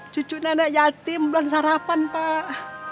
cucu nenek yatim belan sarapan pak